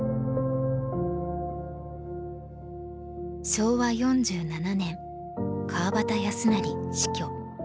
昭和４７年川端康成死去。